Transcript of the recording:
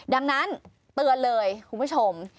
ดังนั้นเตือนเลยคุณผู้ชม